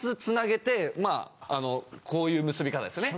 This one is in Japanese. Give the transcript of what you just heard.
こういう結び方ですよね。